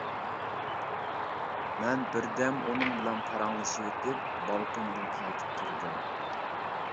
مەن بىردەم ئۇنىڭ بىلەن پاراڭلىشىۋېتىپ، بالكوندىن قايتىپ كىردىم.